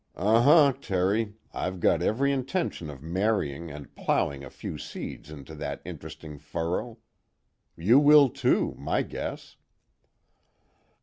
Uh huh, Terry, I've got every intention of marrying and plowing a few seeds into that interesting furrow. You will too, my guess."